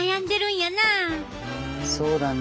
そうだね。